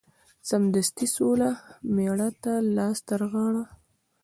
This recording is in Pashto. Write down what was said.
سمدستي سوله مېړه ته لاس ترغاړه